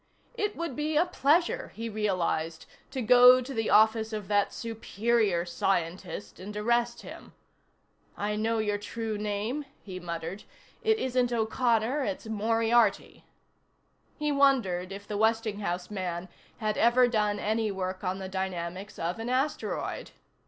It would be a pleasure, he realized, to go to the office of that superior scientist and arrest him. "I know your true name," he muttered. "It isn't O'Connor, it's Moriarty." He wondered if the Westinghouse man had ever done any work on the dynamics of an asteroid.